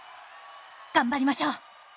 頑張りましょう！